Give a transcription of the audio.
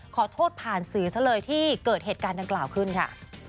ขอโทษผ่านสื่อซะเลยที่เกิดเหตุการณ์ดังกล่าวขึ้นค่ะ